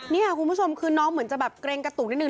นี่ค่ะคุณผู้ชมคือน้องเหมือนจะแบบเกรงกระตุกนิดนึ